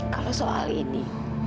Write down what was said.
kalau soal ini